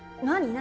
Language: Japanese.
何？